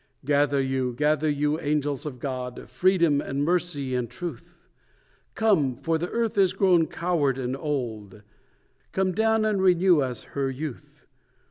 Gather you, gather you, angels of God Freedom, and Mercy, and Truth; Come! for the Earth is grown coward and old, Come down, and renew us her youth.